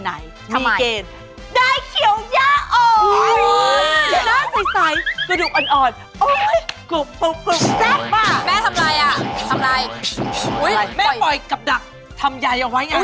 อันนี้เป็นประเด็นอะไรอะ